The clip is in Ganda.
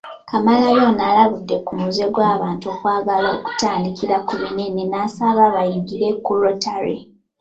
Kamalabyonna alabudde ku muze gw’abantu okwagala okutandikira ku binene n’asaba bayigire ku Rotary